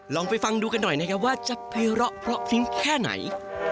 ลองไปฟังดูกันหน่อยว่าจะเป็นละเพราะพลิ้งแค่ไหน